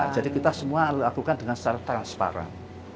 jadi kita semua lakukan dengan secara transparan